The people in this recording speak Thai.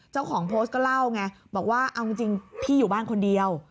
เจ้าของโพสต์ก็เล่าไงบอกว่าเอาจริงพี่อยู่บ้านคนเดียว